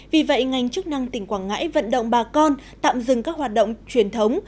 vì vậy ngành chức năng tỉnh quảng ngãi vận động bà con tạm dừng các hoạt động truyền thống